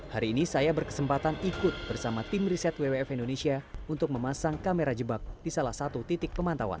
hari ini saya berkesempatan ikut bersama tim riset wwf indonesia untuk memasang kamera jebak di salah satu titik pemantauan